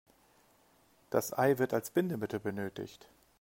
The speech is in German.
Das Ei wird als Bindemittel benötigt.